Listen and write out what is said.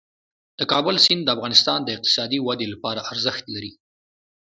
د کابل سیند د افغانستان د اقتصادي ودې لپاره ارزښت لري.